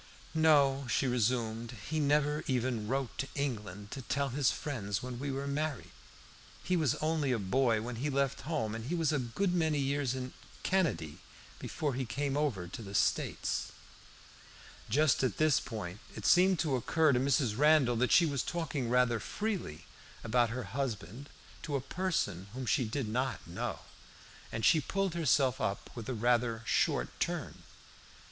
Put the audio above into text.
"No," she resumed, "he never even wrote to England to tell his friends when we were married. He was only a boy when he left home, and he was a good many years in Canady before he came over to the States." Just at this point it seemed to occur to Mrs. Randall that she was talking rather freely about her husband to a person whom she did not know, and she pulled herself up with a rather short turn.